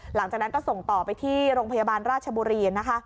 หลังจากนั้นก็ส่งต่อไปที่โรงพยาบาลราชบุรีนะคะ